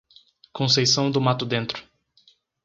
Conceição do Mato Dentro